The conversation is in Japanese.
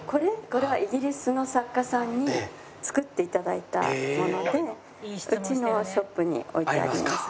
これはイギリスの作家さんに作って頂いたものでうちのショップに置いてあります。